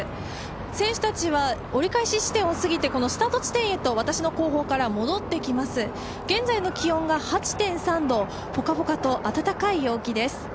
選手たちは折り返し地点を過ぎて、スタート地点へと私の後方から戻ってきます、現在の気温が８．３度、ぽかぽかと暖かい陽気です。